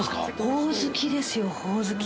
ホオズキですよホオズキ。